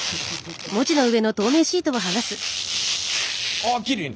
あきれいに！